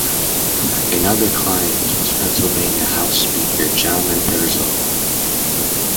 Another client was Pennsylvania House Speaker John M. Perzel.